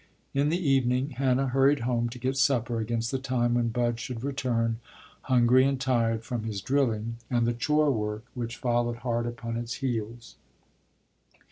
In the evening Hannah hurried home to get supper against the time when Bud should return, hungry and tired from his drilling, and the chore work which followed hard upon its heels.